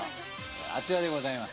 あちらでございます。